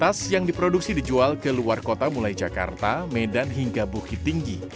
tas yang diproduksi dijual ke luar kota mulai jakarta medan hingga bukit tinggi